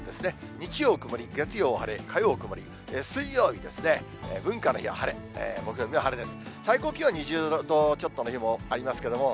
日曜曇り、月曜晴れ、火曜曇り、水曜日ですね、文化の日は晴れ、木曜日は晴れです。